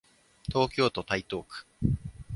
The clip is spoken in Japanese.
東京都台東区